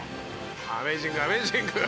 「アメージングアメージング」。